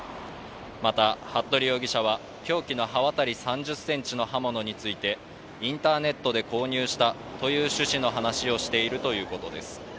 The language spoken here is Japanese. また、服部容疑者は凶器の刃渡り３０ｃｍの刃物についてインターネットで購入したという趣旨の話をしているということです。